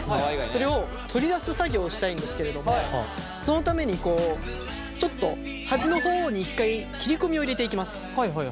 これを取り出す作業をしたいんですけれどもそのためにちょっと端の方に一回切り込みを入れていきます。